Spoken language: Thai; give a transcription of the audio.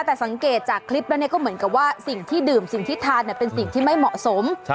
แต่สังเกตจากคลิปแล้วก็เหมือนกับว่าสิ่งที่ดื่มสิ่งที่ทานเป็นสิ่งที่ไม่เหมาะสม